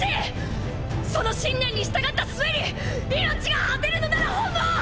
その信念に従った末に命が果てるのなら本望！